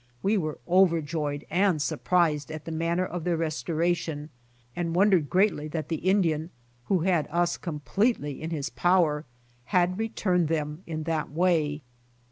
We were overjoyed and surprised at the manner of their restoration and wondered greatly that the Indian, 70 BY OX TEAM TO CALIFORNIA who had us completely in his power, had returned them in that way.